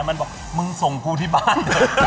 กันบอกว่าหรือมึงส่งกูที่บ้าน